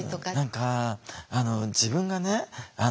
何か自分がね